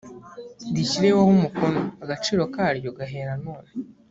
rishyiriweho umukono agaciro karyo gahera none.